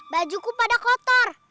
bajuku pada kotor